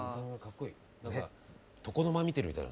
何か床の間見てるみたいな。